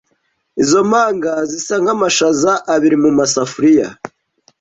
Izo mpanga zisa nkamashaza abiri mumasafuriya.